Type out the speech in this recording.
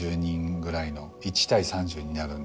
１対３０になるんですけど。